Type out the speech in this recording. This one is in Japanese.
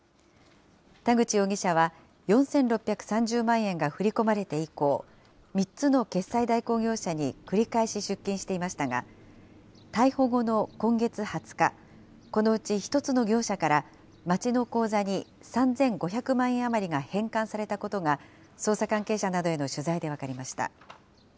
田口容疑者は４６３０万円が振り込まれて以降、３つの決済代行業者に繰り返し出金していましたが、逮捕後の今月２０日、このうち１つの業者から町の口座に３５００万円余りが返還されたことが捜査関係者などへの取材で分かりました。